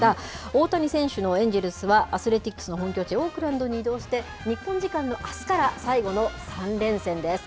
大谷選手のエンジェルスは、アスレティックスの本拠地、オークランドに移動して、日本時間のあすから最後の３連戦です。